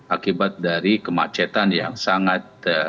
akibat dari kemacetan yang sangat